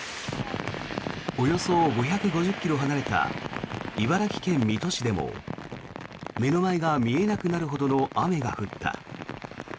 およそ５５０ｋｍ離れた茨城県水戸市でも目の前が見えなくなるほどの雨が降った。